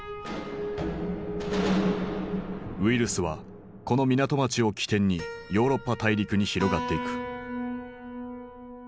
ウイルスはこの港町を起点にヨーロッパ大陸に広がっていく。